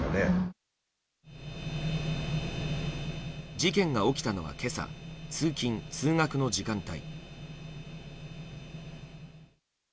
事件が起きたのは今朝、通勤・通学の時間帯。